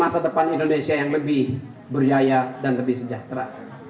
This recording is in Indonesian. masa depan indonesia yang lebih berjaya dan lebih sejahtera